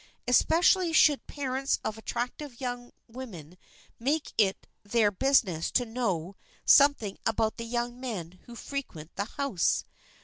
Especially should parents of attractive young women make it their business to know something about the young men who frequent the house.